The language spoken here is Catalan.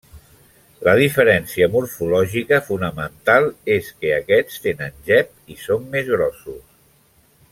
La diferència morfològica fonamental és que aquests tenen gep i són més grossos.